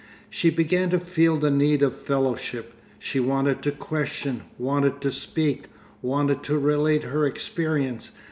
She began to feel the need of fellowship. She wanted to question, wanted to speak, wanted to relate her experience.